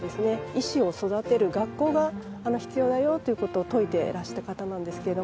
医師を育てる学校が必要だよという事を説いてらした方なんですけども。